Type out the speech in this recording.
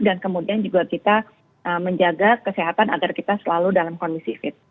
dan kemudian juga kita menjaga kesehatan agar kita selalu dalam kondisi fit